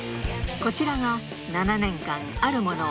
こちらが７年間それは？